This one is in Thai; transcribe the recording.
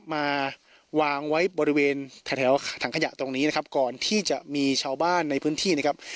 มาวางไว้บริเวณแถวถังขยะตรงนี้นะครับก่อนที่จะมีชาวบ้านในพื้นที่นะครับ